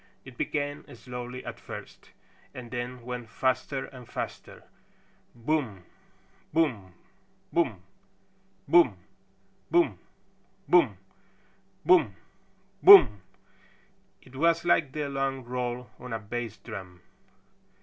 It began slowly at first and then went faster and faster. Boom Boom Boom Boom Boom Boom Boo Boo B B B B b b b b boom! It was like the long roll on a bass drum.